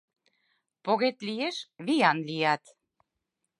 Погет лиеш — виян лият.